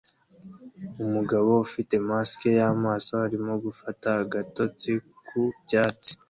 Umugabo ufite mask y'amaso arimo gufata agatotsi ku byatsi